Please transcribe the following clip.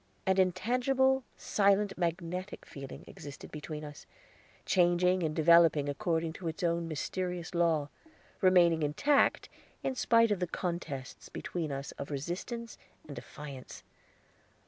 An intangible, silent, magnetic feeling existed between us, changing and developing according to its own mysterious law, remaining intact in spite of the contests between us of resistance and defiance.